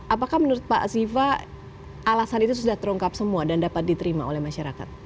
apakah menurut pak azifa alasan itu sudah terungkap semua dan dapat diterima oleh masyarakat